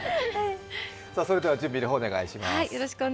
それでは準備の方お願いします。